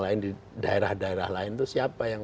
lain di daerah daerah lain itu siapa yang